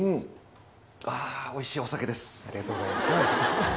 ああ、おいしいお酒です。